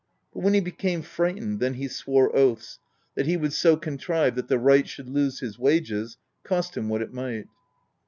But when he became frightened, then he swore oaths, that he would so contrive that the wright should lose his wages, cost him what it might.